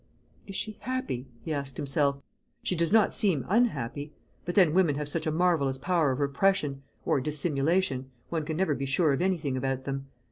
"Is she happy?" he asked himself. "She does not seem unhappy; but then women have such a marvellous power of repression, or dissimulation, one can never be sure of anything about them.